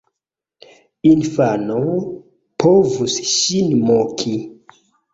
Infano povus ŝin moki.